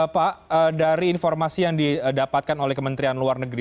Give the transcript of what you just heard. pak dari informasi yang didapatkan oleh kementerian luar negeri